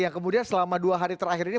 yang kemudian selama dua hari terakhir ini